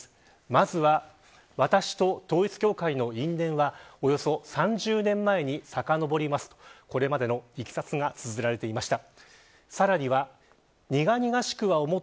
まずは私と統一教会の因縁はおよそ３０年前にさかのぼりますとこれまでのいきさつがつづられていました。